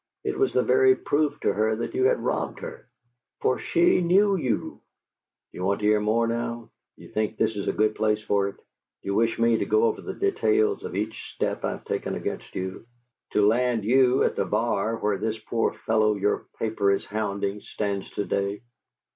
It was the very proof to her that you had robbed her. For she knew you! Do you want to hear more now? Do you think this is a good place for it? Do you wish me to go over the details of each step I have taken against you, to land you at the bar where this poor fellow your paper is hounding stands to day?"